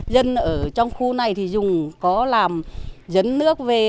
dân ở trong khu này thì dùng có làm dấn nước về